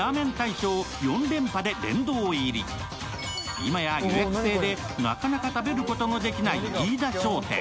今や予約制でなかなか食べることのできない飯田商店。